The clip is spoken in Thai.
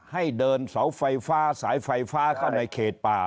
ให้เดินเสาไฟฟ้าสายไฟฟ้าเข้าในเขตป่า